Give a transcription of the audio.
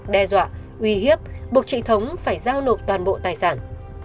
khoa đã bị đe dọa uy hiếp buộc chị thống phải giao nộp toàn bộ tài sản